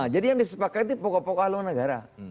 jadi yang disepakati pokok pokok halilandara